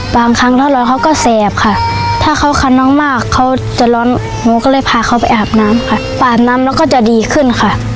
บางครั้งถ้าร้อนเขาก็แสบค่ะถ้าเขาคันน้องมากเขาจะร้อนหนูก็เลยพาเขาไปอาบน้ำค่ะปาดน้ำแล้วก็จะดีขึ้นค่ะ